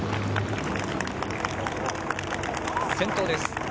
先頭です。